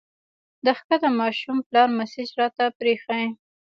د ښکته ماشوم پلار مسېج راته پرېښی